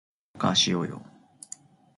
サッカーしようよ